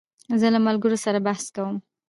زه له ملګرو سره بحث کوم.